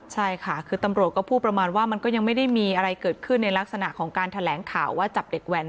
ใช่ค่ะคือตำรวจก็พูดประมาณว่ามันก็ยังไม่ได้มีอะไรเกิดขึ้นในลักษณะของการแถลงข่าวว่าจับเด็กแว้น